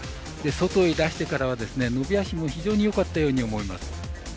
外に出してから、伸び脚も非常によかったように思います。